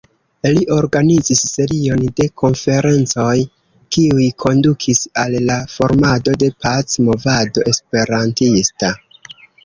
Li organizis serion de konferencoj kiuj kondukis al la formado de pac-movado esperantista.